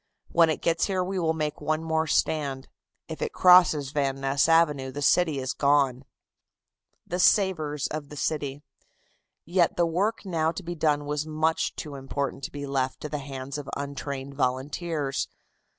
When it gets here we will make one more stand. If it crosses Van Ness Avenue the city is gone." THE SAVERS OF THE CITY. Yet the work now to be done was much too important to be left to the hands of untrained volunteers.